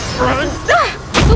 tunggu biar aku jelaskan